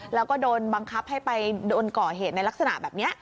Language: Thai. แล้วก็โดนบังคับให้ไปโดนก่อเหตุในลักษณะแบบนี้